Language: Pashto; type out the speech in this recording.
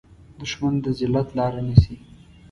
دښمن د ذلت لاره نیسي